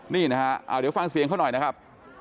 นี่นะฮะเดี๋ยวฟังเสียงเขาหน่อยนะครับ